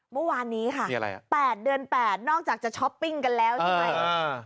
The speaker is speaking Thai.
เมื่อวานนี้ค่ะ๘เดือน๘นอกจากจะช้อปปิ้งกันแล้วใช่ไหม